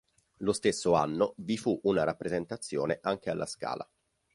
Lo stesso anno, vi fu una rappresentazione anche alla Scala.